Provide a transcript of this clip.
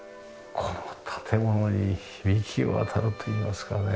この建物に響き渡るといいますかね。